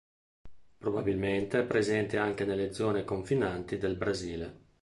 Probabilmente è presente anche nelle zone confinanti del Brasile.